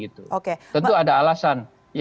tentu ada alasan